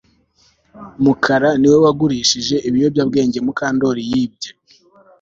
Mukara niwe wagurishije ibiyobyabwenge Mukandoli yibye